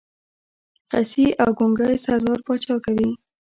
خصي او ګونګی سردار پاچا کوي.